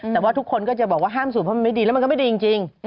แต่ว่าทุกคนก็จะบอกว่าห้ามสูบเพราะมันไม่ดีแล้วมันก็ไม่ดีจริง